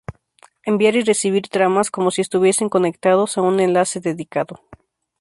Enviar y recibir tramas como si estuviesen conectados a un enlace dedicado.